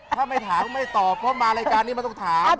ถ้าไม่ถามไม่ตอบเพราะมารายการนี้มันต้องถาม